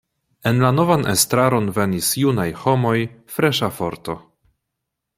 En la novan estraron venis junaj homoj, freŝa forto.